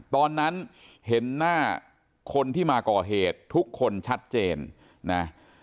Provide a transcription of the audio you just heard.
ตอนนั้นเห็นหน้าคนที่มาก่อเหตุทุกคนชัดเจนนะ